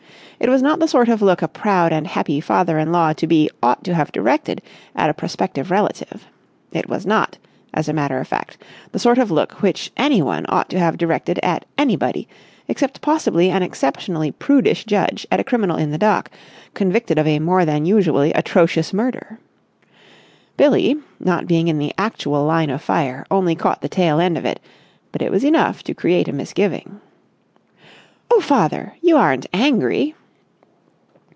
It was not the sort of look a proud and happy father in law to be ought to have directed at a prospective relative. It was not, as a matter of fact, the sort of look which anyone ought to have directed at anybody, except possibly an exceptionally prudish judge at a criminal in the dock, convicted of a more than usually atrocious murder. Billie, not being in the actual line of fire, only caught the tail end of it, but it was enough to create a misgiving. "Oh, father! You aren't angry!"